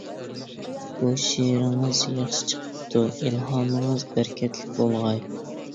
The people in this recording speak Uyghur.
بۇ شېئىرىڭىز ياخشى چىقىپتۇ، ئىلھامىڭىز بەرىكەتلىك بولغاي!